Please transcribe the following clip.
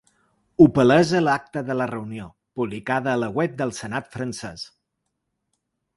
Ho palesa l’acta de la reunió, publicada a la web del senat francès.